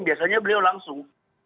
biasanya beliau langsung